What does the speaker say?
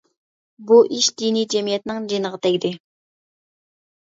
بۇ ئىش دىنىي جەمئىيەتنىڭ جېنىغا تەگدى.